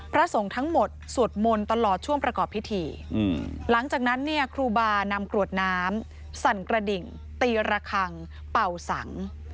พระสงฆ์ทั้งหมดสวดมนต์ตลอดช่วงประกอบพิธีหลังจากนั้นเนี่ยครูบานำกรวดน้ำสั่นกระดิ่งตีระคังเป่าสัง